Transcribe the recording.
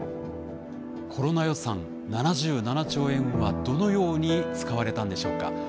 コロナ予算７７兆円はどのように使われたのでしょうか？